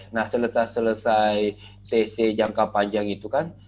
nah setelah selesai tc jangka panjang itu kan